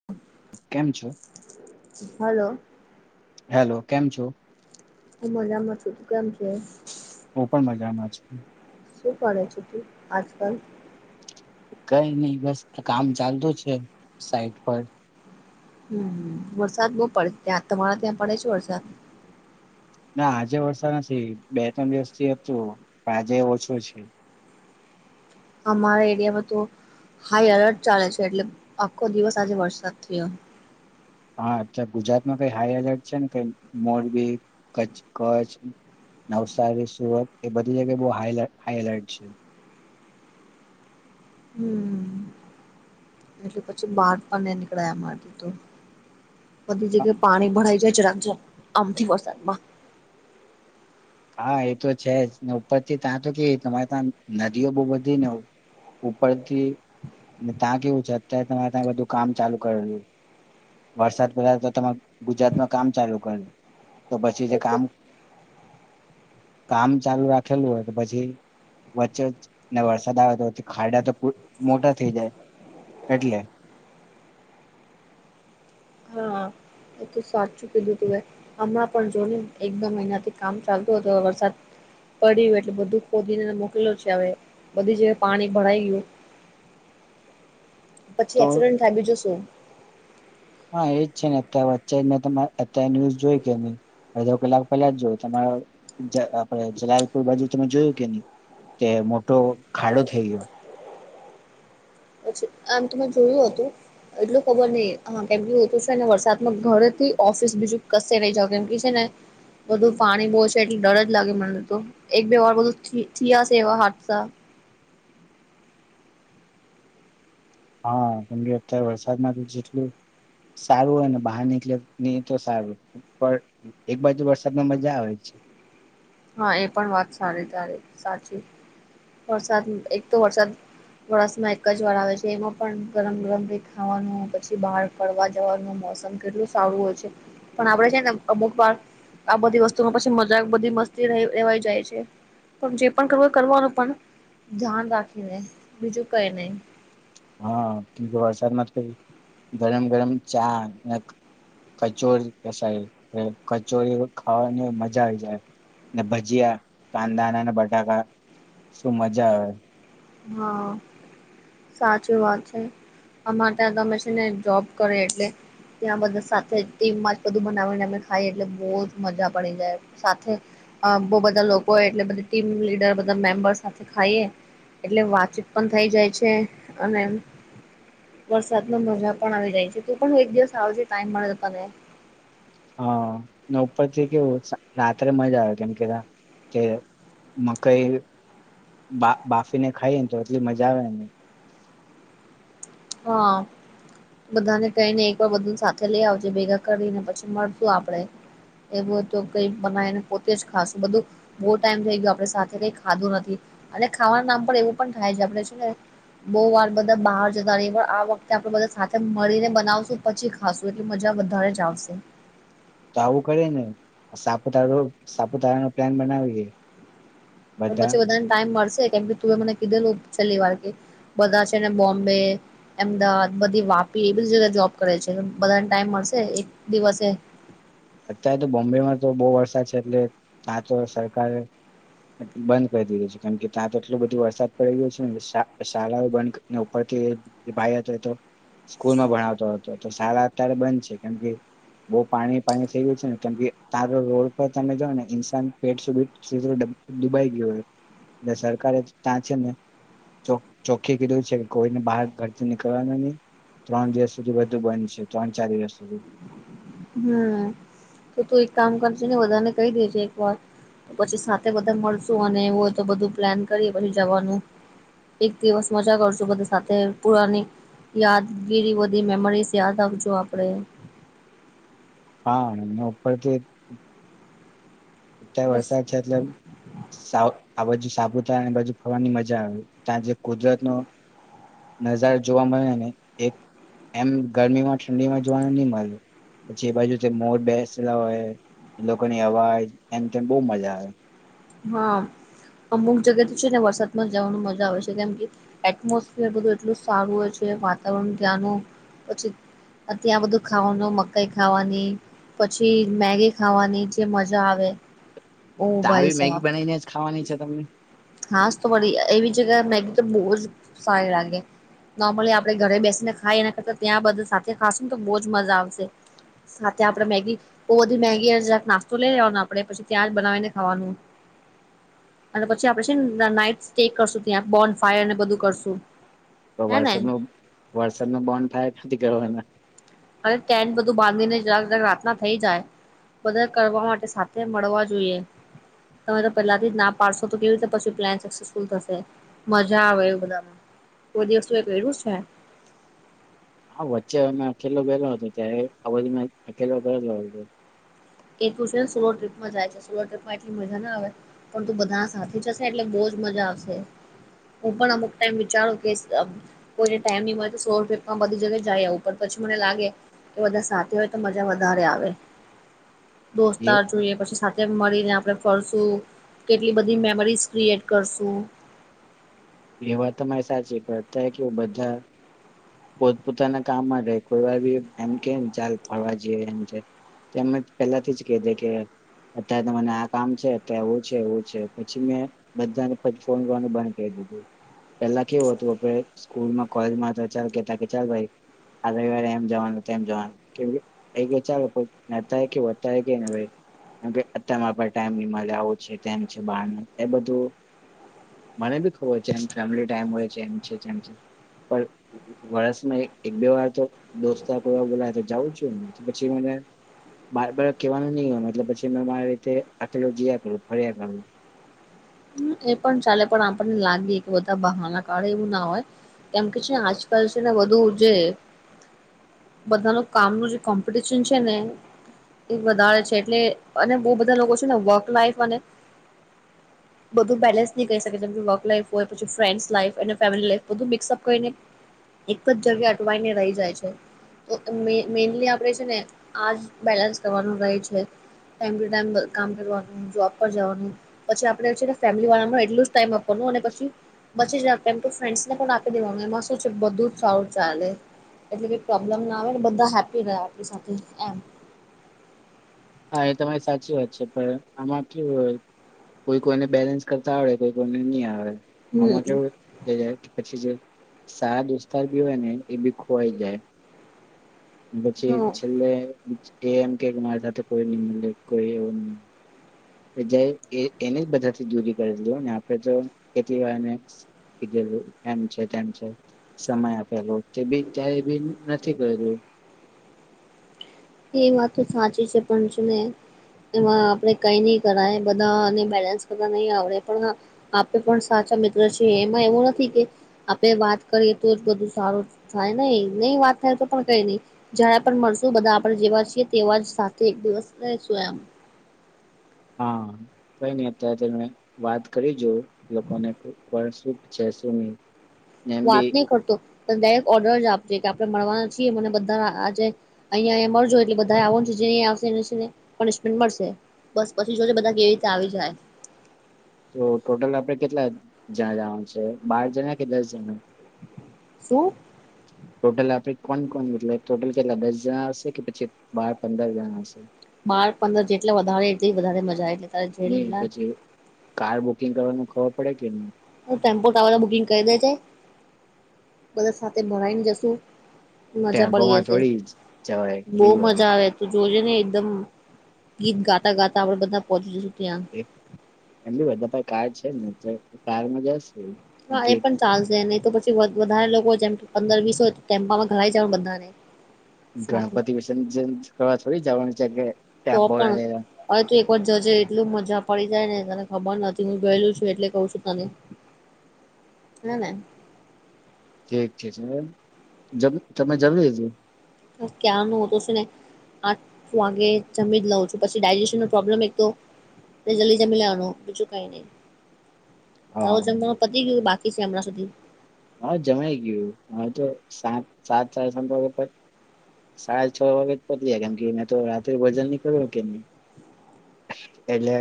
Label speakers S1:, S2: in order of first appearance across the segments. S1: [inaudible]
S2: કેમ છો?
S1: Hello.
S2: Hello કેમ છો?
S1: હું મજામાં છું તું કેમ છે?
S2: હું પણ મજામાં છુ
S1: શું કરે છે તું આજકાલ
S2: કઈ નઈ બસ આ કામ ચાલતું છે સાઈટ પર
S1: હમ હમ વરસાદ બહુ પડે ત્યાં તમારા ત્યાં પડે છે વરસાદ
S2: ના આજે વરસાદ નથી બે ત્રણ દિવસથી હતું પણ આજે ઓછો છે
S1: અમારા એરિયામાં તો હાઈ એલર્ટ ચાલે છે એટલે આખો દિવસ આજે વરસાદ થયો
S2: હા અ ગુજરાતમાં કઈ હાઈ એલર્ટ છે ને કઈ મોરબી કચ્છ કચ્છ નવસારી સુરત એ બધી જગ્યાએ બહુ હાઇલા હાઈ એલર્ટ છે
S1: હમ એટલે પછી બહાર પણ નીકળયા અમારાથી તો બધી જગ્યા પાણી ભરાઈ જાય જરાક જે આમથી વરસાદમાં
S2: હા એ તો છે જ ને ઉપર થી ત્યાં તો કે તમારે ત્યાં નદીઓ બો બધી ને ઉપરથી ને ત્યાં કેવું છે અત્યારે તમારે ત્યાં બધું કામ ચાલુ કરેલું વરસાદ પહેલા તો તમે ગુજરાતમાં કામ ચાલુ કરજો તો પછી જે
S1: એ તો
S2: કામ કામ ચાલુ રાખેલું હોય તો પછી વચ્ચે જ ને વરસાદ આવે તો ખાડા તો મોટા થઈ જાય એટલે
S1: હા સાચું કીધું તું હમણાં પણ જોને એક બે મહિના થી કામ ચાલતું હતું વરસાદ પડ્યું એટલે બધું ખોદીને મોકેલ છે હવે બધી જગ્યાએ પાણી ભરાઈ ગયું
S2: [inaudible]
S1: પછી
S2: તો
S1: એક્સિડેન્ટ થાય બીજુ શું
S2: હા એવું જ છે ને [unintelligible] વચ્ચે જ અત્યારે ન્યુઝ જોઈ કે ની અડધો કલાક પહેલા જ જો તમારા આપડે જલાલપુર બાજુ તમે જોયું કે ની તે મોટો ખાડો થઈ ગયો
S1: પછી આમ તમે જોયું હતું એટલું ખબર હીં હા કેમ કે હો તોું છે ને વરસાદમાં ઘર થી ઓફિસ બીજું કસે રહી જાવ કેમ કે છે ને બધું પાણી બહુ છે એટલે ડર જ લાગે મને તો એક બે વાર બધું થયા છે એવા હાદસા
S2: હા કેમ કે અત્યારે વરસાદમાં બી જેટલું સારું હોય ને બહાર નીકળે નહી તો સારું પણ એક બાજુ વરસાદમાં મજા આવે છે
S1: હા એ પણ વાત સારી તારી સાચી વરસાદ એક તો વરસાદ વરસ માં એક જ વાર આવે છે એમાં પણ ગરમ ગરમ ખાવાનું પછી બહાર ફડવા જવાનું મોસમ કેટલું સારું હોય છે પણ આપડે છે ને અમુક વાર આ બધી વસ્તુઓમાં પછી મજાક બધી મસ જે લેવાય જાય છે પણ જે પણ કરવુંય કરવાનું પણ ધ્યાન રાખીને બીજું કંઈ નહીં
S2: હા કેમકે વરસાદમાં તો ગરમ ગરમ ચા [inaudible] કચોરી કસાઈ કચોરી ખાવાની મજા આવી જાય ને ભજીયા કાંદાના ને બટાકા શું મજા આવે
S1: હા સાચી વાત છે અમારે ત્યાં તમે છે ને જોબ કરે એટલે ત્યાં બધા સાથે ટીમમાં જ બધું બનાવીને અમે ખાઈએ એટલે બહુ જ મજા પડી જાય સાથે અ બહુ બધા લોકો એટલે બઘી ટીમ લીડર બધા મેમ્બર સાથે ખાઈએ એટલે વાતચીત પણ થઈ જાય છે અને પ્લસ આપણે મજા પણ આવી જાય છે તો પણ હું એક દિવસ આવજે ટાઈમ મળે તને
S2: હા ને ઉપરથી કેવું સા રાત્રે મજા આવે કેમ કે તા કે મકઈ બા બાફી ને ખાઈ ને તો એટલી મજા આવે ને.
S1: હા. બધાને કહીને એકવાર બધાને સાથે લઈ આવજે ભેગા કરીને પછી મળશું આપડે. એવું હોય તો કઈ બનાવીને પોતે જ ખાશ બધું બહુ ટાઈમ થઈ ગયો આપણે સાથે કઈ ખાધું નથી અને ખાવાના નામ પણ એવું પણ થાય છે આપણે શું ને બહુ વાર બધા બહાર આ વખતે આપડ બધા સાથે મળીને બનાવશું પછી ખાશું એટલી મજા વધારે જ આવશે.
S2: તો આવું કરે ને સાપુતારો સાપુતારા નો પ્લાન બનાવી
S1: પછી બધાને ટાઈમ મળશે કેમ કે તું મને કીધેલ છેલ્લી વાર કે બધા છે ને બોમ્બે અમદાવાદ બધી વાપી એ બધી જગ્યા જોબ કરે છે, બધાને ટાઈમ મળશે એક દિવસે
S2: અત્યારે તો બોમ્બેમાં તો બહુ વરસાદ છે, એટલે આ તો સરકારે બંધ કરી દીધું છે કેમ કે ત્યાં તો એટલોું બધો વરસાદ પડી ગયો છેને શાળાઓ બંધને ઉપરથી ભાઈયા હતો એ તો સ્કૂલ માં ભણાવતો હતો તો શાળા અત્યારે બંધ છે, કેમ કે બહુ પાણી પાણી થઈ ગયું છે, ને કેમ તારો રોડ પર તમે જો ને ઇન્સાન પેટ સુધી ડુબાઈ ગયો એટલે સરકારે ત્યાં છે ને ચો ચોખી કીધું છે કે કોઈને બહાર ઘરથી નીકળવાનું નહી. ત્રણ દિવસ સુધી બધું બંધ છે, ત્રણ ચાર દિવસ સુધી
S1: હમ તો તું એક કામ કરજેને બધાને કહી દેજ એક વાર પછી સાથે બધા મળશું અને હોય તો બધું પ્લાન કરીએ પછી જવાનું એક દિવસ મજા કરશું બધા સાથે પુરાની યાદગીરી બધી મેમરીઝ યાદ રાખજો આપણે
S2: હા એને ઉપળ કે
S1: બસ
S2: વરસાદ છે એટલે આ બાજુ સાપુતારા બાજુ ફરવાની મજા આવે ત્યાં જે કુદરત ન નજારા જોવા મળે ને એક એમ ગરમીમાં ઠંડીમાં જોવાનું નહી મળે પછી એ બાજુ મોર બેસેલા હોય લોકોની અવાજ એમ તેમ બહ મજા આવે.
S1: હા અમુક જગ્યા તો છે ને વરસાદ માં જવાનું મજા આવે છે, કેમ કે એટમોસ્ફિયર બધું એટલું જ સારું હોય છે, વાતાવરણ ત્યાંનું પછી ત્યાં બધું ખાવાનું, મકાઈ ખાવાની, પછી મેગી ખાવાની જે મજા આવે ઓ
S2: ત
S1: ભાઈ
S2: આવી મેગી બનાવી ને જ ખાવાની છે તમને
S1: હા તો એવી જગા એ મેગ તો બવજ સરી લાગે. નોર્મલી આપે ઘરે બેસીને ખાય એના કરતા ત્યાં બધા સાથે ખશું ને તો બહુ જ મજા આવશે. સાથે આપણેે મેગી બહુ બધી મેગી જક નાસ્તો લઈ લેવાને આપડે પછી ત્યાં જ બનાવીને ખાવાનું. આપણેે નાઈટ સ્ટે કરશું ત્યાં, બોન ફાયર ને બધું કરશું,
S2: તો
S1: હે ને.
S2: વરસાદ ન વરસાદ ન બોન્ડ થાય નથી કરો એને
S1: અનેરે ટેન્ટ બધું બાંધીને જકક રાતના થઈ જાય મદદ કરવા માટે સાથે મળવા જોઈએ. તમે તો પહેલાથી જ ના પાડશો, તો કેવી રીતે પછી પ્લાન સક્સેસફુલ થશે? મજા આવે એ બધામાં, કોઈ દિવસુ કર્યું છે?
S2: હા વચ્ચે અમે અલો ગયેલો હતો ત્યારે અજ મેં અકેલો ગયેલો હતો.
S1: એતો છે ને સોલો ટ્રીપમાં જાય છે સોલો ટ્રીપમાં એટલી મજા ના આવે પણ તું બધા સાથે જશે એટલે બહુજ મજા આવશે. હું પણ અમુક ટાઈમ વિચારું કે કોઈને ટાઈમ મળય તો સોલો ટ્રીપમાં બધી જગ્યા જાય આવ પણ પછી મને લાગે એ બધા સાથે હોય તો મજા વધારે આવે,
S2: એ
S1: દોસ્તાર જોઈએ પછી તેમ મળીને આપણે ફરશું, કેટલી બધી મેમરીઝ ક્રિએટ કરશું.
S2: એ વાત તમારી સાચી પણ ત કેવું બધા પોતપ પોતાના કામમાં રહે એમ કેમ ચાલ ફરવા જઈએ એમ એ પેલાથી જ કધે કે અત્યારે ત મને આ કામ છે અત્યારે એું છે એવું છે પછી મેં બધજાને પછી ફોન કરવાનું બંધ કરી દીધું પેલા કેવું હતું આપણે સ્કૂલમાં કોલેજમાં ચાલ કેતા કે ચાલ ભાઈ આ રવિવારે એમ જવાનું તેમમ જવાનું કે એ ચાલ નતા કે વતાય કેવે કેમ કે અત્યમાં ટાઈમ મળે આવો છે તેમ છે બહાર એ બધું મને બી ખબરય છે એ ફેમિલી ટાઈમ હોય છે એ છે જે વર્ષમાં એક બે વાર તો દોસ્ત કો બોલાય તો જઉં છું ને પછી મને બ બક કેવાનું નહીિ હોલે પછી મે મારા રીતે આટલો જયા કરું ફર્યા કરું
S1: એ પણ ચાલે પણ આપણને લાગી કે બધા બહાના કાળે એવું ના હોય કેમ કે છેને આજકાલ છે ને બધું જે બધાનું કામનું જે કોમ્પિટશન છે ને એ વધારે છે એટલે અને બહુ બધા લોકો છે ને વર્ક લાઈફ અને બધું બેલેન્સ નહી કહી શકે જેમ કે વર્ક લાઈ હો પછ ફ્રેન્ લ મિક્અપ કરીને એક જ જગ્યા અટવાઈને રહી જાય છે મેનલી આપડે છે ને આજ બેલેન્સ કરવાનું રહે છે ટમ ટુ ટાઈમ કામ કરવાનું જોબ પર જવાનું પછી ફેમિલી વાળામાં એટલું જ ટાઈમ આપવાનું અને પછી પછી જ એમ ફ્રેન્્સ ને પણ આપી દેવાનું એમાં શું છે બધું જ સારું ચાલે એટલે પ્રોબ્લેમ ના આવે બધા હેપી રહે આપ એમ
S2: હા એ તમારી સાચી વાત છે પણ આમાં કેવું હો કોઈ કોઈને બેલેન્સ કરતા આવડે કોઈ કોઈને નહી આવે આમાં
S1: હમ
S2: કેવું જ પછી જે સારા દોસ્તાર બી હોય ને એ બી ખોવાઈ જાય પછી
S1: હા
S2: છેલ્લે એ એમ કે મારી સાથે કોઈ નહી મળે કોઈ એવો ન જે એ એને જ બધાથી દૂરી કર દું આપડે તો કેટલી વાર ને જે એમ છે તેમ છે સમય આપેલો બી બી નથી કર્યું
S1: એ વાત તો સાચી છે પણ જો ને એમાં આપડે કઈ નહી કરાય બધાને બેલેન્સ કરતા નહી આવડે પણ આપે પણ સાચા મિત્ર છ એમાં એવું નથી કે આપડે વાત કરીએ તો જ બધું સારું થાય નહી નહી વાત થાય તો પણ કઈ નહી જારે પણ મળશું બધા આપણે જેવા છીએ તેવા જ સાથે એક દિવસ રશું એમ
S2: હા કઈ નહી અતત વાત કરી જો લોકોને કો શ છે શું નની
S1: વાત નહી કરતો ડાયરેક્ટ ઓર્ડર જ આપજે કે આપણે મળવાના છીએ મને બધા આજે અહંયા મળજો એટલે બધા આવ જેનેયા આવશે એને પનિશમેન્ટ મળશે બસ પછી જોજ બધા કેવી રીતે આવી જાય
S2: તો ટોટલ આપડણે કેટલા જણા જવાનું છે બાર જણા કે દસ જણા
S1: શું
S2: ટોટલ આપડી કોન કોન જેટલે ટોટલ કેટલા દસ હજાર હશે કે પછી બાર પંદર જણા હશે
S1: બાર પંદર જેટલા વધારે એટલી વધારે મજા એટ
S2: નઈ પછી કાર બુકિંગ કરવાનું ખબર પડે કેમ
S1: ટેમ્પો ટ બુકિંગ કરી દેજાય બધા સાથે ભરાને જશુ મજા પડી
S2: ટેમ્પોમાં
S1: જશે
S2: થોડી જવાય
S1: બહ
S2: કેવી વાત
S1: મજા આવે તો જોજે ને એકદમ ગીત ગાતા ગાતા આપડે બધા પહોંચી જશું ત્યાં
S2: એમ બી બધા પર કાર છે ને તો કારમાં જશ
S1: હા એ પણ ચાલશે નહી તો પછી વધારે લોકો જેમ પંદર વીસ હોય ટેમ્પામાં ઘરા જ બધાને સાથે
S2: ગણપતિ વિસર્જન કરવા થોડી જવાનું છે કે ટેમ્પો
S1: તોોપણ
S2: લઈ લેવા
S1: હવે તોું એક વાર જજે એટલું મજા પડી જાય ને તને ખબર નથી હું ગયેલું છું એટલે કહું છું તને ના નાને
S2: ઠીક છે જમ તમે જમજો
S1: બ ક્યા નો તને આઠ વાગે જમી જ લઉ છું પછી ડાયજેશન ન પ્રોબ્લેમ એક તે જલ્દી જમે લ આનું બીજું કઈ નઈ હ
S2: હા
S1: જેમ ત પતી ગયું બાકી છે હમણાં સુધી
S2: હા જમાઈ ગયું હવે તો સાત સાત સાાર સાત વાગે પ સાડા છ વાગે જ પલી્યા કેમ કે મેં તો રાત્રે ભજન નની કર્યું કે નહી એટલે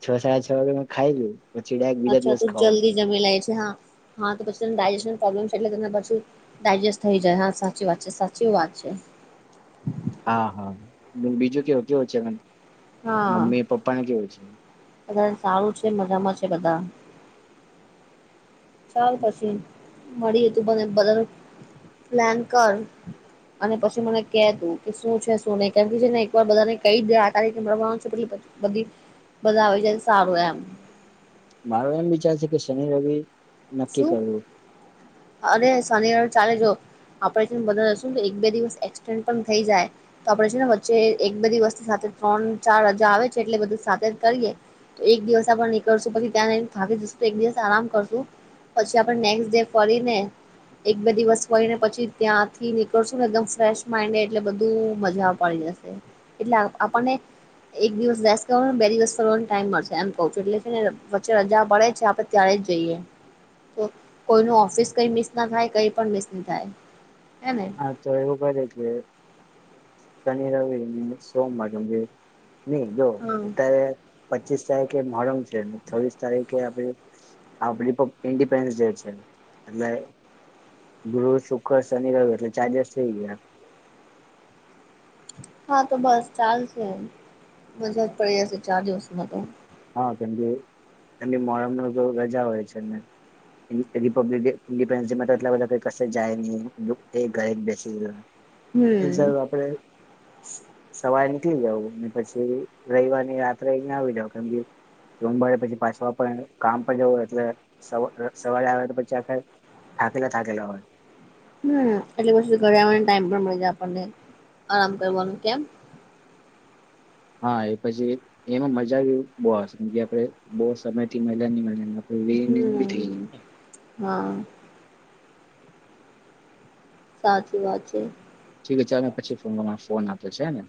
S2: છ સાડા છ વાગે ખાઈ લું
S1: અચ્છા તો જલ્દી જમી લે છે હા હા તો પછી ડાયનોબ્લેમ છે એટલેછ ડાયજેસ્ટ થઈ જાય હા સાચી વાત છે સાચી વાત છે
S2: હા હા બીજું કેવું કેવું છે
S1: હા
S2: મમ્મી પપ્પાને કેવું છે
S1: બધા સારું છે મજામાં છે બધા ચાલ પછી મળી તુંને બદલ પન કર અને પછી મને ક તું કે શું છે શું નહી કેમ કે ને એક વાવાર બધાને કઈ દે આ તારી મળવાનું છે પ બધી બધા આવી જાય સારું એમ
S2: મારો એમ વિચાર છે કે શનિ રવિ નક્કી
S1: શું
S2: કરવું
S1: અનેરે શનિવારે ચાલે જો આપડેને બધાશું એક બે દિવસ એક્સન્ડ પણ થઈ જાય તો આપડે છે ને વચ્ચે એક બધી વસ્તીુ સાથે ત્રણ ચાર રજા આવે છે એટલે બધું સાથે જ કરીએ તો એક દિવસ આપ પણ નહી કરશું પછી ત્યાં થાકી જશ તો એક દિવસ આરામ કરશું પછી આપણે નેક્સ્ટ ડે ફરી ને એક બે દિવસ હોય ને પછી ત્યાંથી નીકળશું ને એકદમ ફ્રેશ માઇન્ડે એટલે બધું મજા પડી જશે એટલે આપણને એક દિવસ વસ કરવા બે દિવસ ફરનો ટાઈમ મળશે એમ કવ છું એટલે છે ને વચ્ચે રજા પડે છે આપડ ત્યાણે જ જઈએ તો કોઈનું ઓફિસ કઈ મિસ ના થાય કંઈ પણ મિસ નહી થાય હે ને
S2: હા તો એવું કે કે શનિ રવિ સોમવાર નઈ જો
S1: હા
S2: અત્યારે પચીસ તારીખે મોમ છે છવ્વીસ તારીખે આપ ર ઇન્ડિપેન્ડન્સ ડે છે એટલે ગૃહ શુક્ર શનિ રવ એટલે ચાર દસ થઈ ગયા
S1: હા તો બસ ચાલ છે મજા જ પડી્યા છે ચાર દિવસોમાં તો
S2: હા કેમ કે એની મોરમ ન જો રજા હોય છે ને રિપબ્લિક ડે ન્ડિપેન્ડન્સ ડે બધ કસ જાય ગ એક બેેશ એ સ
S1: હમ
S2: આપણે સવારે નીકળી જવું અનેને પછી રવિવાર ની રાત્રે અહિયાં આવી જઉ પછી પાછવા પણ કામ પણ જવ એટલે સ સવારે આવે તો પછી આખા થાકેલા થાકેલા હોય
S1: હમ એટલી વસ્તુ ઘરે આવવાને ટાઈમ પણ મળી જાય આપણને આરામ કરવાનું કેમ
S2: હા એ પછી એમાં મજા બી બહુ હશે કેમ આપડે બહુ સમય થી મહિલા ની મજા લીની થઈ
S1: હમ
S2: ને
S1: હા સાચી વાત છે
S2: ઠીક છે ચાલં પછી ફ ફોન આપ્યો છે હ ને